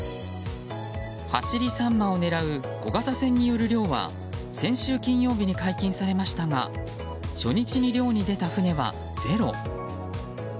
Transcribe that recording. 走りサンマを狙う小型船による漁は先週金曜日に解禁されましたが初日に漁に出た船はゼロ。